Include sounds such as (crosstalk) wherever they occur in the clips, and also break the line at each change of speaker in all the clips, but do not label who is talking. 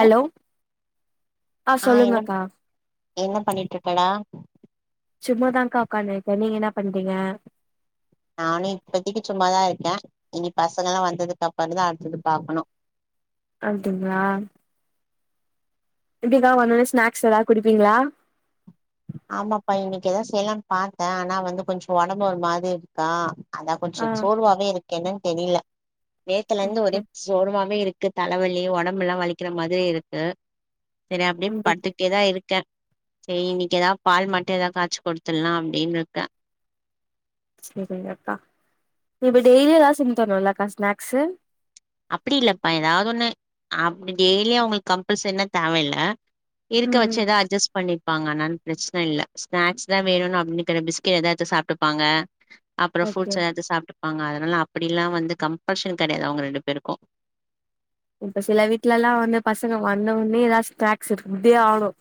hello
ஆ என்ன என்ன பண்ணிட்டு இருக்கடா
சும்மாதா அக்கா உக்காந்து இருக்கே நீங்க என்ன பண்றீங்க
நானும் இப்பதைக்கு சும்மாதா இருக்கேன் இனி பசங்க எல்லாம் வந்ததுக்கு அப்புற தான் அடுத்தது பாக்கணும்
அதுங்களா வீட்டுக்லா வந்ததும் ஸ்நாக்ஸ் எதாவ்து குடுப்பீங்களா
ஆமாப்பா இன்னைக்கு ஏதாவ்து செய்யலாம்னு பாத்தேன் ஆனா வந்து கொஞ்சம் உடம்பு ஒரு மாரி இருக்கா அதான்
ஆ
கொஞ்சம் சோர்வாவே இருக்கேன்னுன்னு தெரியல நேத்துல இருந்து
ஓகே
ஒரே சோர்வாவே இருக்கு தலைவலி உடம்பு எல்லாம் வலிக்கிற மாதிரி இருக்கு சரி அப்படியே
அப்டி
படுத்துக்கிட்டே தான் இருக்கேன் செய்னு ஏதாவ்து பால் மட்டும் ஏதாவதுய்ச்ச கொடுத்துலா அப்படின்னு இருக்கேன்
சரிங்கக்கா நீ இப்ப டெய்லியி ஏதாது செய்ஞ்சி தரணும்ல அக்கா ஸ்நாக்ஸ்
அப்படி இல்லப்பா ஏதாவது ஒண்ணு அப்படி டெய்லியே அவங்களுக்கு கம்பல்சரினா தேவையில்ல இருக்க
ம்
வச்சதா அஜஸ் பண்ணிப்பாங்க ஆனாலும் பிரச்சனை இல்ல ஸ்நாக்ஸ் தான் வேணும்னு அப்படின்னுக்கிற பிஸ்கட் எதாது சாப்ட்டுப்பாங்க அப்புறம்
ஓகே
ஃப்ரூட்ஸ் எதாவது சாப்ட்டுப்பா அதனால அப்படிலாம் வந்து கம்பல்ஷன் கிடையாது அவங்க ரெண்டு பேருக்கும்
இப்ப சில வீட்லல எல்லாம் வந்து பசங்க வந்த உடனே ஏதாவது ஸ் ஸ்நாக்ஸ் இருந்தே ஆகனும்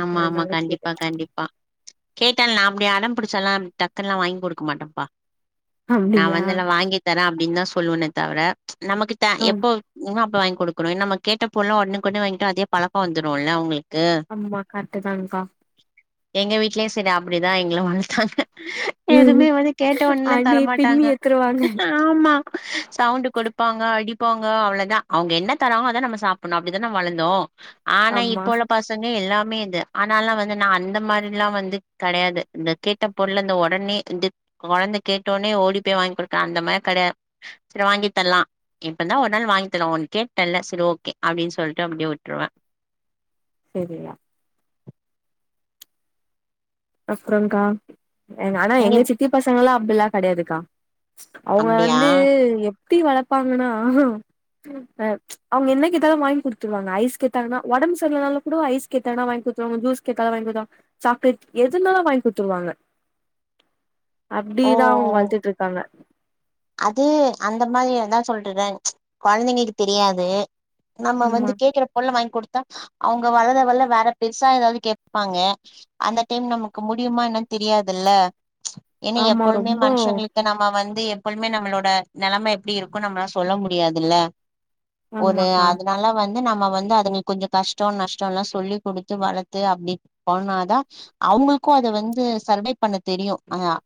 ஆமா ஆமா
கேட்டே
கண்டிப்பா கண்டிப் பா கேட்டால நா அப்டியே அடம்பிடிச்ச எல்லாம் டக்குனெல்லாம் வாங்கி கொடுக்க மாட்டேன்ப்பா நா
அப்டிங்களா
வந்துல்லாம் வாங்கி தரேன் அப்படின்னு தான் சொல்லுவனே தவிர நமக்கு
ஆ
எப்போ (unintelligible) அப்ப வாங்கி கொடுக்கறும் நம்ம கேட்ட போலாம் உடன்னுக்குடனு வாங்கிட்டா அதே பழக்கம் வந்துரும்ல்ல அவுங்களுக்கு
ஆமா கரெக்ட் தா அக்கா
எங்க வீட்லயும் சரி அப்படிதான் எங்கள வளத்தாங்க எதுவுமே வந்து கேட்ட உடனே
அடி பின்னி
தரமாட்டாங்க
எத்துருவாங்க
ஆமா சவுண்ட் கொடுப்பாங்க அடிப்பாங்க அவ்ளோவுதா அவுங்க என்ன தராங்கோ அதா நம்ம சா டனும் அப்படிதான வளந்தோம் ஆனா
ஆமா
இப்போ உள்ள பசங்க எல்லாம் மே இது ஆனால வந்து நா அந்த மாரி எல்லாம் வந்து கிடையாது இந்த கேட்ட பொருள் இந்த உடனே இது கொழந்தை கேட்டனே ஓடி போய் வாங்கி கொடுக்கன் அந்த மாரி கிடையாது சில வாங்கி தரலாம் இப்ப என்ன ஒரு நாள் வாங்கி தர உன் கேட்டல்ல சரி ஓகே அப்டின் சொல்ட்டு அப்டியே விட்டுருவேன்
சேரிங்க அப்பறம்கா ஆனா
நீங்க
எங்க சித்தி பசங்க எல்லாம் அப்டிலாம் கிடையாதுக்கா அவுங்க
அப்டியா
வந்து எப்டி வளர்ப்பாங்கன்னா அ அவுங்க என்ன கேட்டாலும் வாங்கி குடுத்துருவாங்க ஐஸ் கேட்டங்கனா உடம்பு சரியில்லனா கூட ஐஸ் கேட்டாலும் வாங்கி குடுத்துவாங்க ஜூஸ் கேட்டாலும் வாங்கி குடுத்துடுவாங் சாக்லேட் எதுனாலும் வாங்கி குடுத்துருவாங்க
ஓ
அப்டிதான் அவங்க வளத்துட்டு இருக்காங்க
அது அந்த மாரி அதான் சொல்றன்ல குழந்தைங்களுக்கு தெரியாது நம்ம வந்து
ஆமா
கேக்குற பொருள் வாங்கி குடுத்தா அவங்க வளர வளர வேற பெருசா ஏதாவது கேட்பாங்க அந்த டைம் நமக்கு முடியுமா என்னு தெரியாதுல்ல ஏன்னா
ஆமா
எப்பொழுமே
ரொம்ப
மனுஷங்களுக்கு நம்ம வந்து எப்பழுமே நம்மளோட நிலமை எப்டி இருக்கும்னு நம்மல்லாம் சொல்ல முடியாதுல்ல ஒரு அது
ஆமாக்கா
அதனால வந்து நம்ம வந்து அதுங்க கொஞ்சோ கஷ்டம் நஷ்டம் எல்லாம் சொல்லி கொடுத்து வளர்த்து அப்டி பண்ணாதான் அவங்களுக்கும் அத வந்து சர்வை பண்ண தெரியும் ஆ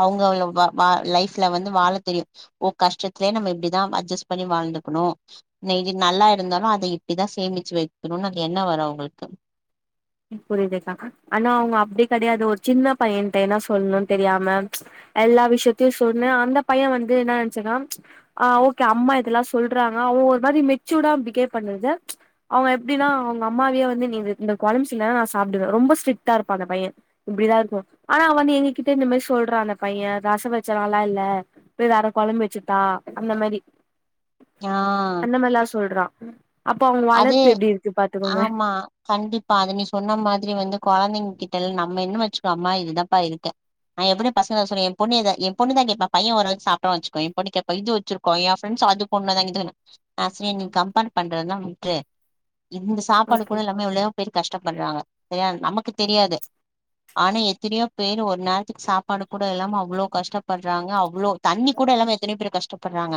அவுங்க அவுவ‌வா லைஃப் ல்ல வந்து வாழ தெரியும் ஓ கஷ்டத்துலயே நம்ம இப்டிதான் அட்ஜஸ்ட் பண்ணி வாழ்ந்துக்கணும் இன்னிக்கு நல்லா இருந்தாலும் அத இப்டி தான் சேமிச்சு வைக்கணும்னு அது என்ன வரும் அவங்களுக்கு
புரியுதுக்கா ஆனா அவுங்க அப்டி கிடையாது ஒரு சின்ன பையன்ட்ட என்ன சொல்ணும்னு தெரியாம எல்லா விஷயத்தையும் சொன்னேன் அந்த பையன் வந்து என்ன நினைச்சுருக்கான் ஆ‌ ஓகே அம்மா இதெல்லாம் சொல்றாங்க அவன் ஒரு மாரி மெச்சூடா பிகேவ் பண்ணுது அவுங்க எப்டினா அவுங்க அம்மாவே வந்து நீங்க இந்த குழம்பு செஞ்சாதா நான் சாப்பிடுவேன் ரொம்ப ஸ்ரிட்டா இருப்பான் அந்த பையன் இப்டிதான் இருக்கும் ஆனா வந்து எங்ககிட்ட இந்த மாரி சொல்றான் அந்த பையன் ரசம் வச்ச நல்லா இல்ல இப்ப வேற குழம்பு வச்சுதா அந்த மேரி
ஆ
இந்த மாரில்லாம் சொல்றான் அப்ப அவுங்க
அது
வளர்ப்பு எப்டி இருக்கு பாத்துக்கோங்க
இப்ப அத நீ சொன்ன மாதிரி வந்து குழந்தைங்க கிட்டல் நம்ம இருந்தோ வச்சுக்கோ அம்மா இதுதான்ப்பா இருக்க நான் எப்பவு பசங்க சொன்னே என் பொண்ணே இதே என் பொண்ணு தான் கேப்பா பையன் ஓரளவு சாப்டுருவா வச்சுக்கோயே என் பொண்ணு கேப்பா இது வச்சு கோய என் ஃப்ரெண்ட்ஸ் அது கொண்டு வந்தாங்க இது நா சொன்ன நீ கம்பார் பண்றது தான் ஏ இந்த சாப்பாடு
ஓகே
கூட இல்லாமே எவ்ளோவோ பேர் கஷ்டப்படுறாங்க சரியா நமக்கு தெரியாது ஆனா எத்தனையோ பேரு ஒரு நேரத்துக்கு சாப்பாடு கூட இல்லாம அவ்ளோ கஷ்டப் படுறாங்க அவ்ளோ தண்ணி கூட இல்லாம எத்தனையோ பேர் கஷ்டப்படுறாங்க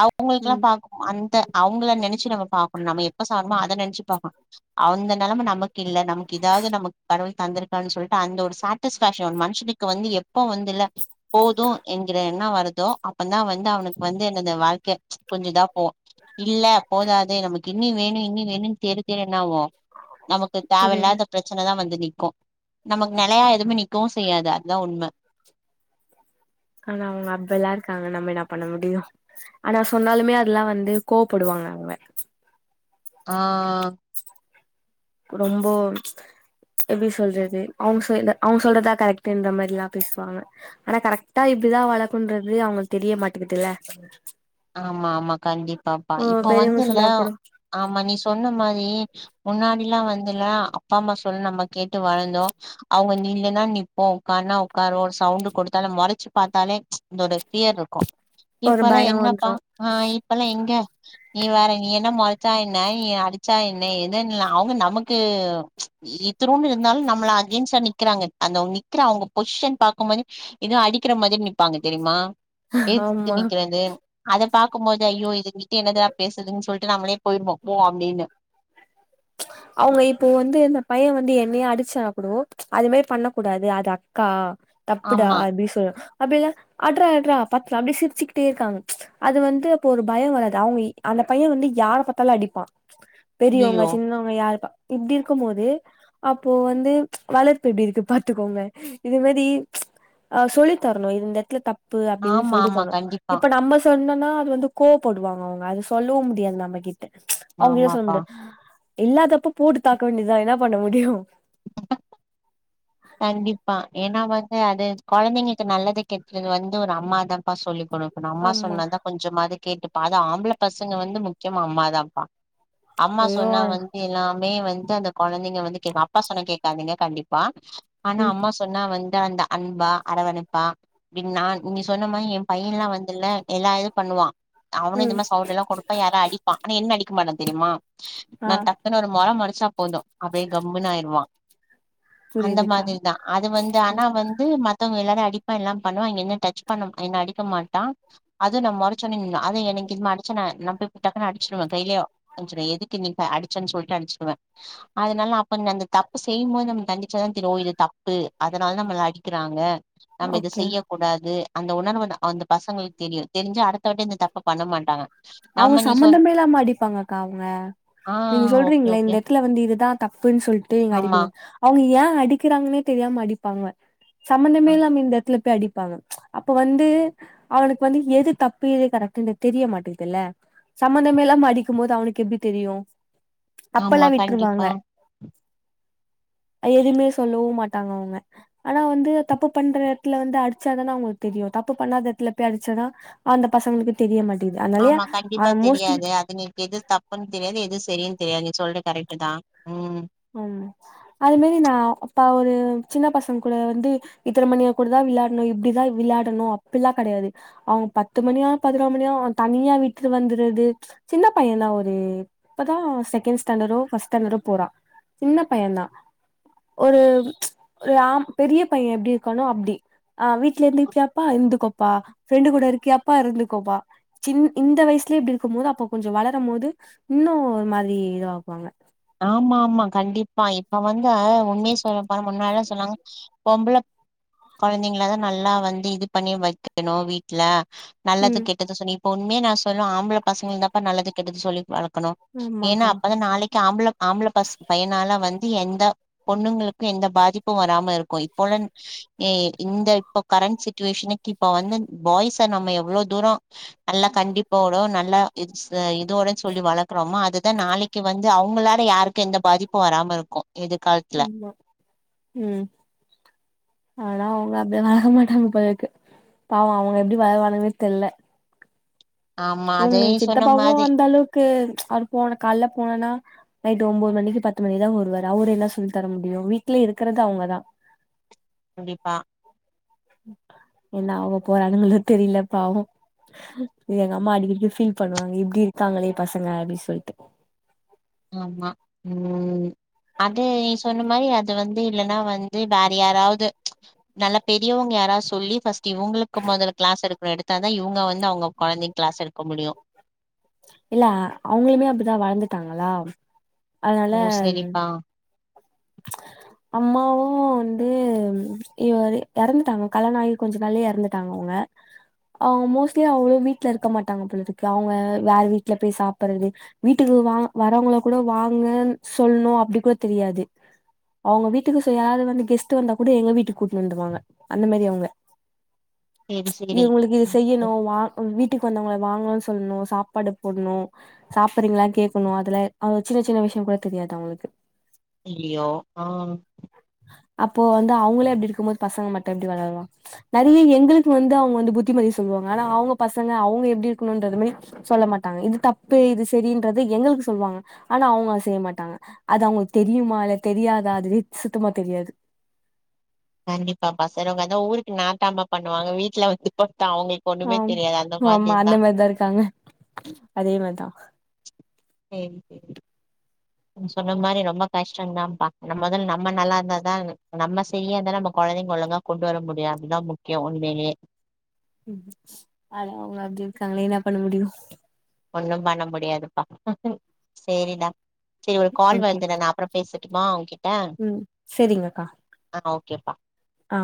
அவங்களுக்கெல்லா
ம்
பா அந்த அவங்கள நெனச்சு நம்ம பாக்கணும் நம்ம எப்ப சாப்டோம் அதை நினைச்சு பாக்கணும் அந்த நெலம நமக்கு கில்ல நமக்கு இதாவது நமக்கு கடவுள் தந்திருக்கான் சொல்ட்டு அந்த ஒரு சாட்டிஸ்பேக்க்ஷன் மனுஷனுக்கு வந்து எப்போ வந்து இல்ல போதும் என்கிற என்ன வருதோ அப்ப தான் வந்து அவனுக்கு வந்து என்னது வாழ்க்கை கொஞ்ச‌இதா போவோம் இல்ல போதாது நமக்கு இனி வேணும் இனி வேணும் தேடி தேடி என்னாவோம் நமக்கு
புரியுது
தேவல்லாத பிரச் சன தான் வந்து நீக்கும் நமக்கு நிலையா எதுவுமே நீக்கவும் செய்யாது அதுதான் உண்ம
ஆனா அவுங்க அப்பல்லாம் இருக்காங்க நம்ம என்ன பண்ண முடியும் ஆனா சொன்னாலுமே அதெல்லாம் வந்து கோவப்படுவாங்க அவுங்க
ஆ
ரொம்போ எப்டி சொல்றது அவுங் சைட் அவங்க சொல்றதான் கரெக்ட் இந்த மாதிரில்லாம் பேசுவாங்க ஆனா கரெக்ட்டா இப்டிதான் வளர்க்கன்றது அவங்களுக்கு தெரிய மாட்டேங்கதுல்ல
ஆமா ஆமா கண்டிப்பாப்பா இப்ப
பெரியவங்க
வந்துல
சொன்னா கூட
ஆமா நீ சொன்ன மாரி முன்னாடி எல்லா வந்துல்லா அப்பா அம்மா சொல் நம்ம கேட்டு வளர்ந்தோ அவங்க நீல்லுனா நீப்போ உட்காருனா உட்காருவோ சவுண்ட் கொடுத்தாலே மொறச்சு பாத்தாலே ச் அதோட ஃபியர் இருக் கு
ஒரு
இப்பெல்லா
பயோ
என்னப்பா
வந்துரு
ஆ இப்பெல்லா எங்க நீ வேற நீ என்ன மொறச்சா என்ன நீ அடிச்சா என்ன எதுன்ன அவங்க நமக்கு ச் த்துனுண்டு இருந்தாலு நம்மள அகென்ஸ்டா நிக்கிறாங்க அந்த நிக்கிற அவங்க பொசிஷன் பாக்கு போதே எதுவு அடிக்கிற மாரியே நிப்பாங்க தெரியுமா ஏதிர்த்து
ஆமா
நிக்குறது அத பாக்கு போது ஐயோ இதுங்கிட்டு என்ன தா பேசுறதுன்னு சொல்ட்டு நம்மளே போயிருவோ போ அப்டின்னு
அவங்க இப்போ வந்து இந்த பைய வந்து என்னயே அடிச்சானு கூடோ அது மாரி பண்ண கூடாது அது அக்கா தப்புடா
ஆமா
அப்டின்னு சொல் அப்டில்ல அட்ரா அட்ரா பாத்தூக்கலா அப்டியே சிரிச்சுக்கிட்டே இருக்காங்க ச் அது வந்து அப்போ ஒரு பயோ வராது அவங்க அந்த பைய வந்து யார பாத்தாலு அடிப்பா பெரியவங்க
ஐயையோ
சின்னவங்க யாருப்பா இப்டி இருக்கு போது அப்போ வந்து ச் வளர்ப்பு எப்டி இருக்கு பாத்துக்கோங்க இது மாரி ச் அ சொல்லித்தரணு இது இந்த இடத்துல தப்பு அப்டின்னு
ஆமா
சொல்லி
ஆமா
தரணு
கண்டிப்பா
இப்ப நம்ம சொன்னன்னா அது வந்து கோவப்படுவாங்க அவங்க அது சொல்லவு முடியாது நம்மகிட்ட ச் அவங்கிட்ட சொல்ல
ஆமாப்பா
முடியாது இல்லாத்தப்ப போட்டு தாக்க வேண்டியதா என்ன பண்ண முடியு
கண்டிப்பா ஏன்னா வந்து அது கொழந்தைங்களுக்கு நல்லது கெட்டுறது வந்து ஒரு அம்மாதாப்பா சொல்லிக் கொடுக் அம்மா
ஆமா
சொன்ன தா கொஞ்சமாவது கேட்டுப்பா அது ஆம்பள பசங்க வந்து முக்கியமா அம்மாதாபா அம்மா
ஐயோ
சொன்னா வந் எல்லாமே வந்து அந்த கொழந்தைங்க வந்து கேப் அப்பா சொன்ன கேக்காதிங்க கண்டிப்பா ஆனா
ம்
அம்மா சொ சொன்னா வந்து அந்த அன்பா அரவனைப்பா ப்படின் நா நீ சொன்ன மாரி எ பையலா வந்துல எல்லா இது பண்ணுவா அவனு இந்த
ம்
மாரி சௌட் எல்லா கொடுப்பா யாரா அடிப்பா ஆனா என்ன அடிக்க மாட்டா தெரியுமா
ஆ
நா த (unintelligible) மொற மொறச்சா போது அப்டியே கம்முனு ஆயிடுவா
புரியுதுக்கா
தா அது வந்து ஆனா
ம்
வந்து மத்தவங்க எல்லாரு அடிப்பா எல்லா பண்ணுவா என்ன டச் பண்ண என்ன அடிக்க மாட்டா அது நா மொறச்சடுனே நின்று அவே என்னைக்கு இம அடிச்ச ந டக்குனு அடிச்சுடுவே கையலயோ அடிச்சிடுவே எதுக்கு நீங்க அடிச்சன்ன சொல்லிட்டு அனுச்சிடுவே அதனால அப்ப அந்த தப்பு செய்யும்போது நம்ம தண்டிச்சா தா தெரியு ஒ இது தப்பு அதனால நம்மள அடிக்கிறாங்க நம்ம இத
ஓகே
செய்ய கூடாது அந்த உணர்வு அந்த பசங்களுக்கு தெரியு தெரிஞ்சா அடுத்தவட்டி அந்த தப்ப பண்ண மாட்டாங்க
அவங்க
நம்ம நீ சொன்
சம்பந்தமே இல்லாம அடிப்பாங்கக்கா அவங்க
ஆ
நீங்க
ஓகே
சொல்றீங்கள இந்த
ஓகே
இடத்துல வந்து இதுதா தப்புன்னு சொல்ட்டு நீங்க
ஆமா
அடிப்பீங்க அவங்க ஏ அடிக்கிறாங்கன்னே தெரியாம அடிப்பாங்க
ஆ
சம்பந்தமே இல்லாம இந்த இடத்துல போய் அடி ப்ப அப்ப வந்து அவனுக்கு வந்து எது தப்பு எது கரெக்டுனு தெரிய மாட்டே ல்ல சம்பந்தமே இல்லா அடிக்கும் போது அவனுக்கு எப்டி தெரியு அப்பெல்லா
ஆமா
விட்ருவாங்க
கண்டிப்பா
எதுமே சொல்லவு மாட்டாங்க அவங்க ஆனா வந்து தப்பு பண்ற எடத்துல வந்து அடிச்சாதானா அவங்களுக்கு தெரியு தப்பு பண்ணாத எடத்துல போய் அடிச்சாதா அந்த பசங்களுக்கு தெரிய மாட்டேது
ஆமா கண்டிப்பா தெரியாது அதுங்களுக்கு எது தப் ஒன்னு தெரியாது எது சரினு தெரியாது நீ சொல்றது கரெக்ட் தா ம்
ம் அது மாரி நா அப்ப ஒரு சின்ன பசங்க கூட வந்து இத்தன மணியா கூட தா விளையாடணு இப்படிதா விளாடணு அப்டிலா கிடையாது அவுங்க பத்து மணியா பதினோ மணியா தனியா வீட்டுல வந்துருது சின்ன பையந்தா ஒரு இப்பதா செகண்ட் ஸ்டாண்டர்டோ ஃபர்ஸ்ட் ஸ்டாண்டர்டோ போறா சின்ன பையந்தா ஒரு ஒரு ஆம் பெரிய பையே எப்டி இருக்காணோ அப்டி ஆ வீட்ல இருந்துப்பியாப்பா இருந்துகோப்பா ஃப்ரெண்டு கூட இருக்கியாப்பா இருந்துகோப்பா சின் இந்த வயசுலயே இப்டி இருக்கும் போது அப்ப கொஞ்சோ வளரும் போது இன்னு ஒரு மாதிரி இதுவாக்குவாங்க
ஆமா ஆமா கண்டிப்பா இப்ப வந்த உண்மய சொல்லப் போனா முன்னாளல்லா சொன்னாங்க பொம்பளப் கொழந்தைங்களதா நல்லா வந்து இது பண்ணி வக்கணு வீட் ல நல்லது
ம்
கெட்டது சொன்னி இப்ப உண்மய நா சொல்ன்னு ஆம்பள பசங்களதாப்ப நல்லது கெட்டது சொல்லி வளக் கணு ஏன்னா
ஆமாக்கா
அப்பதா நாளைக்கி ஆம்பள ஆம்பள பச பையனால வந்து எந்த பொண்ணுங்களுக்கு எந்த பாதிப்பு வராம இருக்கு இப்ப உள்ள ஏ இந்த இப்ப கரண்ட் சிச்சுவேஷனுக்கு இப்ப வந்து பாய்ஸ நம்ம எவ்ளோ தூரோ நல்லா கண்டிப்போட நல்லா இ இதோடன்னு சொல்லி வளக்குறோமோ அதுதா நாளைக்கி வந்து அவுங்களால யாருக்கு எந்த பாதிப்பு வராம இருக்கு எதிர்கால
ஆமா ம் ஆனா அவுங்க அப்டில்லா வளக்க மாட்டாங்க போலருக்கு பாவோ அவங்க எப்டி வளர்வாங்கன்னே தெரில
ஆமா
ம்
அதே
எங்க
சொன்ன
சித்தப்பாவு
மாரி
அந்த அளவுக்கு அவரு போனா கால்ல போனனா நைட் ஒம்பது மணிக்கி பத்து மணிக்கிதா வருவாரு அவரு என்ன சொல்லி தர முடியு வீட்லயே இருக்குறது அவுங்கதா
கண்டிப்பா
என்ன ஆக போறானுங்களோ தெரில பாவோ இது எங்க அம்மா அடிக்கடிக்கி ஃபீல் பண்ணுவாங்க இப்டி இருக்காங்களே பசங்க அப்டி சொல்லிட்டு
ஆமா ம் அது நீ சொன்ன மாரி அது வந்து இல்லன்னா வந்து வேற யாராவது நல்ல பெரியவங்க யாராது சொல்லி ஃபர்ஸ் இவுங்களுக்கு மொதல்ல க்ளாஸ் எடுக்கனு எடுத்தா தா இவுங்க வந்து அவுங்க கொழந்தைக்கு க்ளாஸ் எடுக்க முடியு
இல்ல அவுங்களுமே அப்டிதா வளந்துட்டாங்களா அதனால
ஓ சரிப்பா
அம்மாவு வந்து இவரு எறந்துட்டாங்க கல்யாணாகி கொஞ்ச நாள்லயே எறந்துட்டாங்க அவுங்க அவுங்க மோஸ்ட்லி அவுங்களே வீட்ல இருக்க மாட்டாங்க போலருக்கு அவுங்க வேற வீட்ல போய் சாப்பர்றது வீட்டுக்கு வா வர்றவங்கள கூட வாங்கன்னு சொல்ணு அப்டி கூட தெரியாது அவுங்க வீட்டுக்கு சே யாராது வந்து கெஸ்ட் வந்தா கூட எங்க வீட்டுக்கு கூட்னு வந்துருவாங்க அந்த மாதி அவுங்க
செரி செரி
இவுங்களுக்கு இது செய்யணு வா வீட்டுக்கு வந்தவங்கள வாங்கன்னு சொல்ணு சாப்பாடு போடணு சாப்றீங்களா கேக்கணு அதுல அவ சின்ன சின்ன விஷயோ கூட தெரியாது அவங்களுக்கு
அய்யய்யோ ஆ
அப்போ வந்து அவுங்களே அப்டி இருக்கும்போது பசங்க மட்டு எப்டி வளருவா நெறைய எங்களுக்கு வந்து அவுங்க வந்து புத்திமதி சொல்லுவாங்க ஆனா அவுங்க பசங்க அவுங்க எப்டி இருக்கணுன்றது மாரி சொல்ல மாட்டாங்க இது தப்பு இது சரின்றது எங்களுக்கு சொல்லுவாங்க ஆனா அவுங்க அத செய்ய மாட்டாங்க அது அவங்களுக்கு தெரியுமா இல்ல தெரியாதா அதுவே சுத்தமா தெரியாது
கண்டிப்பாப்பா சிறவங்க எதோ ஊருக்கு நாட்டாம பண்ணுவாங்க வீட்ல வந்து பத்தா அவுங்களுக்கு
ஆம் ஆமா அந்த மாரிதா இருக்காங்க அதே மாரிதா
சேரி சேரி நீ சொன்ன மாரி ரொம்ப கஷ்டோதாப்பா நம்ம மொதல் நம்ம நல்லா இருந்தாதா நம்ம சரியா இருந்தா நம்ம கொழந்தைங்க ஒழுங்கா கொண்டு வர முடியு அதுதா முக்யோ உண்மைலயே
ம் ஆனா அவுங்க அப்டி இருக்காங்களே என்ன பண்ண முடியு
ஒண்ணு பண்ண முடியாதுப்பா சேரிடா சேரி ஒரு கால்
ஓகே
வருது நானு அப்றம் பேசட்டுமா ஓகே
ம் சரிங்கக்கா
ஆ ஓகேப்பா
ஆ